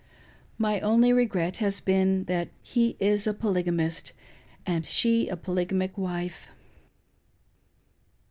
My only regret has been that he is a polygamist, and she a polygamic wife.